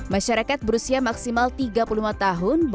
masyarakat berusia maksimal tiga puluh lima tahun